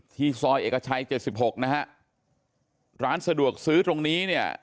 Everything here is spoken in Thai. ซอยเอกชัย๗๖นะฮะร้านสะดวกซื้อตรงนี้เนี่ย